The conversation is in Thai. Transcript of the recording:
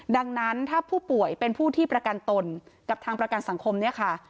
ดังนั้นถ้าผู้ป่วยเป็นผู้ที่ประกันตนกับทางประกันสังคมเนี่ยค่ะ